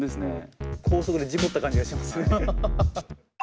高速で事故った感じがしますね。